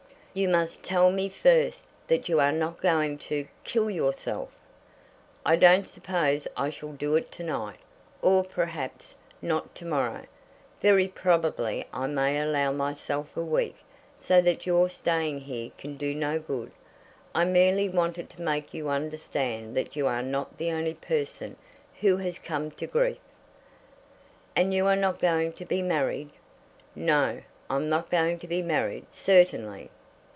"You must tell me, first, that you are not going to kill yourself." "I don't suppose I shall do it to night, or, perhaps, not to morrow. Very probably I may allow myself a week, so that your staying here can do no good. I merely wanted to make you understand that you are not the only person who has come to grief." "And you are not going to be married?" "No; I'm not going to be married, certainly."